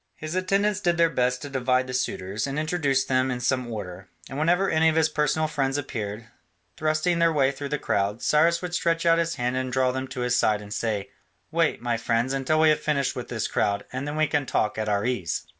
His attendants did their best to divide the suitors, and introduce them in some order, and whenever any of his personal friends appeared, thrusting their way through the crowd, Cyrus would stretch out his hand and draw them to his side and say, "Wait, my friends, until we have finished with this crowd, and then we can talk at our ease."